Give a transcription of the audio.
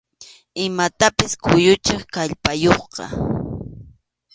Imatapas kuyuchiq kallpayuqqa.